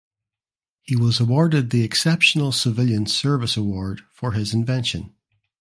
He was awarded the Exceptional Civilian Service Award for his invention.